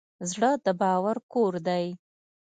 زړه د باور کور دی.